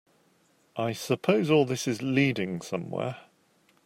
I suppose all this is leading somewhere?